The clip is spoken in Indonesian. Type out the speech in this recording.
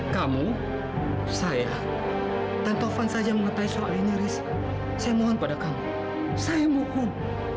kamu saya dan taufan saja yang mengatai soal ini riz saya mohon pada kamu saya mohon